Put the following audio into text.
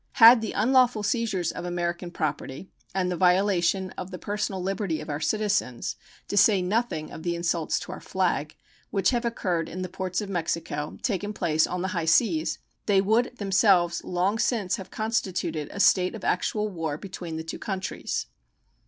Had the unlawful seizures of American property and the violation of the personal liberty of our citizens, to say nothing of the insults to our flag, which have occurred in the ports of Mexico taken place on the high seas, they would themselves long since have constituted a state of actual war between the two countries.